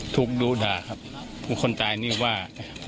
ถูกดูด่าครับผู้คนตายนี่ว่า